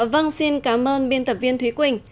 vâng xin cảm ơn biên tập viên thúy quỳnh